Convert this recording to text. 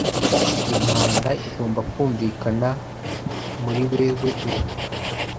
Impanda igomba kumvikana muri wewe ubu